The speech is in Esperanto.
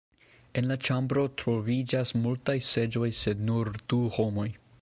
En la ĉambro troviĝas multaj seĝoj sed nur du homoj.